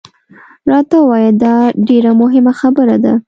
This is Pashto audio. راته ووایه، دا ډېره مهمه خبره ده.